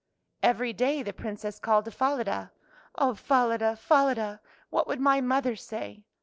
Every day the Princess called to Falada, " Oh, Falada, Falada, what would my mother say?